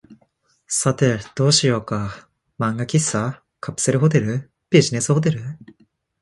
さて、どうしようか。漫画喫茶、カプセルホテル、ビジネスホテル、